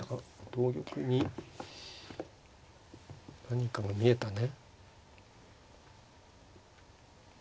同玉に何かが見えたね。